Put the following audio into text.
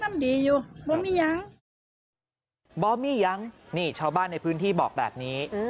นี่นี่ครับชาวบ้านในพื้นที่บอกแบบนี้